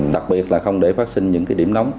đặc biệt là không để phát sinh những vụ vi phạm